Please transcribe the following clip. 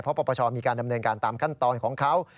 เพราะปปชมีการดำเนินการตามขั้นตอนของเขา